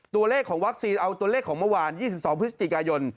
ตัวเลขของวัคซีนเอาตัวเลขของเมื่อวาน๒๒พฤศจิกายน